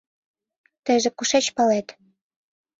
Тыйже кушеч палет?